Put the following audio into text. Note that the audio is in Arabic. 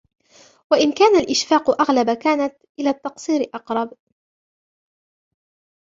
وَإِنْ كَانَ الْإِشْفَاقُ أَغْلَبَ كَانَتْ إلَى التَّقْصِيرِ أَقْرَبَ